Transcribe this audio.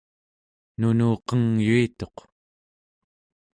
nunuqengyuituq